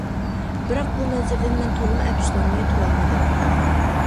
بىراق بۇ مەنزىرىدىن مەن تولىمۇ ئەپسۇسلانماي تۇرالمىدىم.